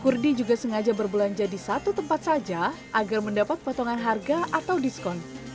kurdi juga sengaja berbelanja di satu tempat saja agar mendapat potongan harga atau diskon